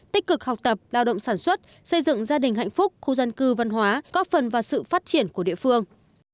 tích cực học tập lao động sản xuất xây dựng gia đình hạnh phúc khu dân cư văn hóa góp phần vào sự phát triển của địa phương